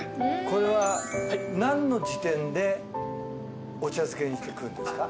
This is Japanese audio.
これは何の時点でお茶漬けにして食うんですか？